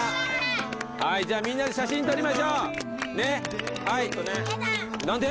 はいじゃあみんなで写真撮りましょうねっはいちょっとね何で？